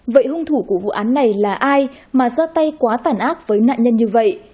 vậy hung thủ của vụ án này là ai mà ra tay quá tản ác với nạn nhân như vậy